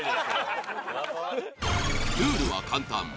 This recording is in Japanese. ルールは簡単。